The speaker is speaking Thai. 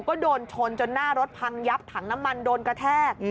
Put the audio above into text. ก็โดนชนจนหน้ารถพังยับถังน้ำมันโดนกระแทก